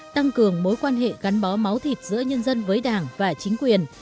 tăng cường mối quan hệ gắn bó máu thịt giữa nhân dân với đảng và chính quyền